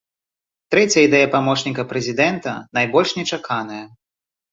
Трэцяя ідэя памочніка прэзідэнта найбольш нечаканая.